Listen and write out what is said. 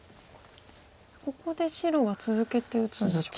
ここで白は続けて打つんですか？